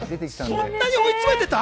そんなに追い詰めてた？